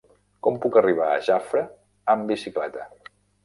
Com puc arribar a Jafre amb bicicleta?